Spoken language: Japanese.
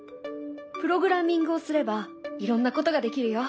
プログラミングをすればいろんなことができるよ。